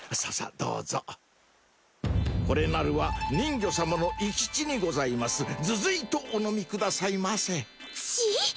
どうぞこれなるは人魚様の生き血にございますずずいとお飲みくださいませ血！？